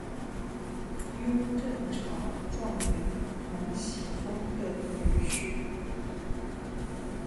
雍正朝状元彭启丰的女婿。